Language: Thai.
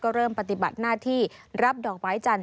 เริ่มปฏิบัติหน้าที่รับดอกไม้จันท